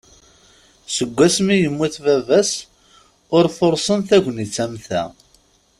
Seg wasmi i yemmut baba-s ur fursen tagnit am ta.